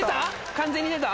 完全に出た？